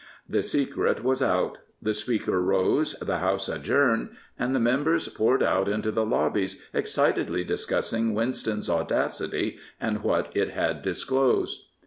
The secret was out. The Speaker rose, the House adjourned, and the members poured out into the lobbie^excitedly discussing Winston's audacity and what it had disclosed.